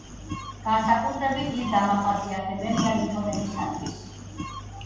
განსაკუთრებით ის დამახასიათებელია ლითონებისათვის.